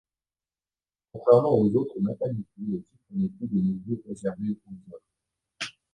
Contrairement aux autres matanitu, le titre n'est plus de nos jours réservé aux hommes.